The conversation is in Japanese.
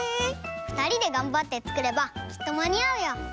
ふたりでがんばってつくればきっとまにあうよ！